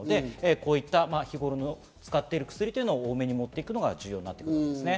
こういう日頃、使っている薬を多めに持っていくのが重要になってきます。